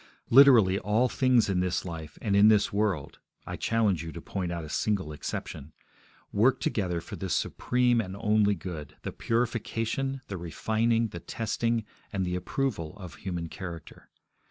Literally all things in this life and in this world I challenge you to point out a single exception work together for this supreme and only good, the purification, the refining, the testing, and the approval of human character.